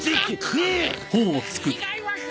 違います。